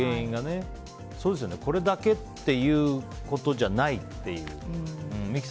これだけっていうことじゃないっていう。